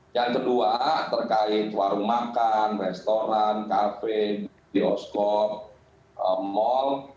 yang kedua terkait warung makan restoran kafe bioskop mal